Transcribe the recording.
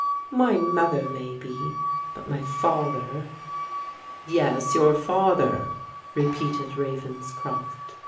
" My mother may be, but my father !'* "Yes, your father," repeated Ravenscrof t.